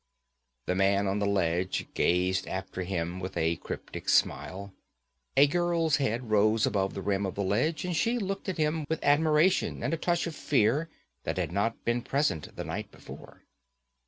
The man on the ledge gazed after him with a cryptic smile. A girl's head rose above the rim of the ledge and she looked at him with admiration and a touch of fear that had not been present the night before.